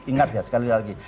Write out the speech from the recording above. ingat ya sekali lagi